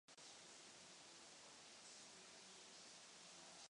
Lodyhy jsou na povrchu podélně rýhované.